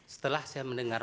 setelah saya mendengar